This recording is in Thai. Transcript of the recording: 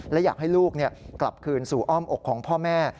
และอยากให้ลูกกลับคืนสู่อ้อมอกของพ่อแม่